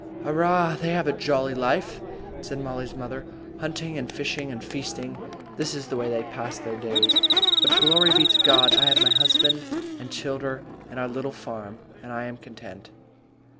"Arrah! they have a jolly life," said Mollie's mother. "Hunting and fishing and feasting. That is the way they pass their days. But, glory be to God, I have my husband and childer and our little farm, and I am content."